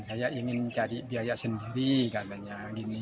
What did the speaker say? saya ingin cari biaya sendiri katanya gini